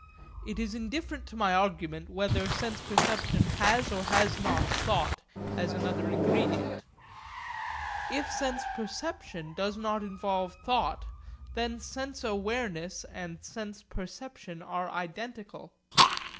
It is indifferent to my argument whether sense perception has or has not thought as another ingredient. If sense perception does not involve thought, then sense awareness and sense perception are identical.